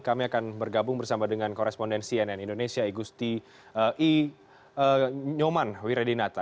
kami akan bergabung bersama dengan korespondensi nn indonesia igusti i nyoman wiredinata